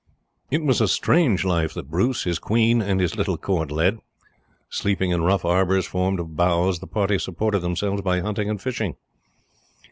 It was a strange life that Bruce, his queen, and his little court led. Sleeping in rough arbours formed of boughs, the party supported themselves by hunting and fishing.